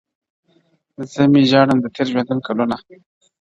زه مي ژاړمه د تېر ژوندون کلونه؛